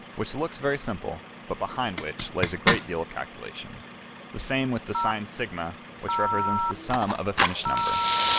which looks very simple, but behind which lays a great deal of calculation. The same with the sign S, which represents the sum of a finished number.